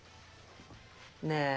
ねえ。